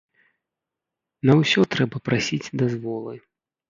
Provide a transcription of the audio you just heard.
На ўсё трэба прасіць дазволы.